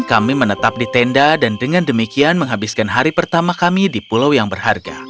kami menetap di tenda dan dengan demikian menghabiskan hari pertama kami di pulau yang berharga